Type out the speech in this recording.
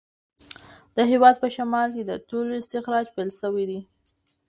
د هیواد په شمال کې د تېلو استخراج پیل شوی دی.